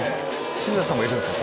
新里さんもいるんですか？